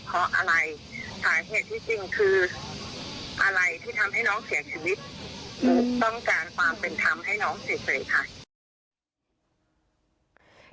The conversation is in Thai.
ต้องการความเป็นทำให้น้องเสียค่ะ